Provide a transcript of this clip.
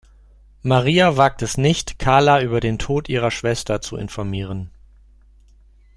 Maria wagt es nicht, Carla über den Tod ihrer Schwester zu informieren.